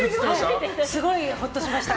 すごいほっとしました。